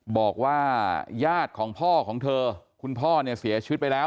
บอกว่าญาติของพ่อของเธอคุณพ่อเนี่ยเสียชีวิตไปแล้ว